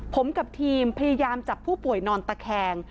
ผมกับทีมพยายามจับผู้ป่วยนอนตะแคง